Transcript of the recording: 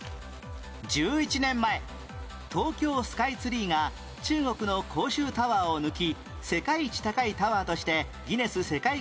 １１年前東京スカイツリーが中国の広州タワーを抜き世界一高いタワーとしてギネス世界記録に認定